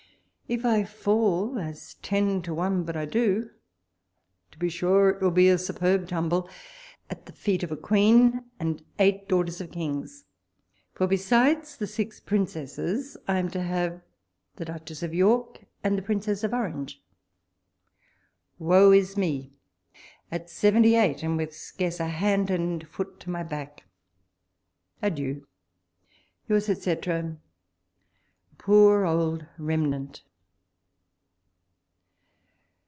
If I fall, as ten to one but I do, to be sure it will be a superb tumble, at the feet of a Queen and eight daughters of Kings ; for, besides the six Princesses, I am to have the vvalpole's letteus. 191 Duchess of York and the Princess of Orange ! Woe is me, at seventy eight, and with scarce a hand and foot to my back 1 Adieu 1 Yours, etc. A Poor Old Remnant.